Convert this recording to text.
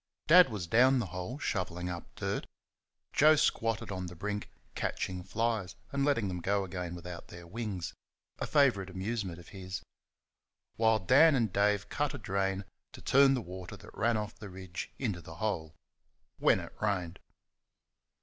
Dad was down the hole shovelling up the dirt; Joe squatted on the brink catching flies and letting them go again without their wings a favourite amusement of his; while Dan and Dave cut a drain to turn the water that ran off the ridge into the hole when it rained.